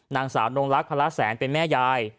นางสาวนงลักษณแสนเป็นแม่ยาย